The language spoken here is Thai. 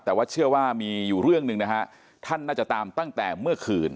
แต่ว่าเชื่อว่ามีอยู่เรื่องหนึ่งนะฮะท่านน่าจะตามตั้งแต่เมื่อคืน